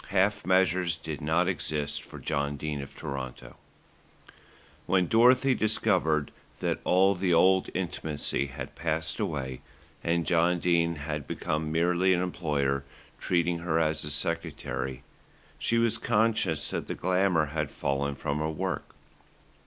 Half measures did not exist for John Dene of Toronto. When Dorothy discovered that all the old intimacy had passed away, and John Dene had become merely an employer, treating her as a secretary, she was conscious that the glamour had fallen from her work.